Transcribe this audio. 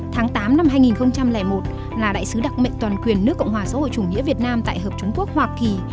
tháng tám năm hai nghìn một là đại sứ đặc mệnh toàn quyền nước cộng hòa xã hội chủ nghĩa việt nam tại hợp trung quốc hoa kỳ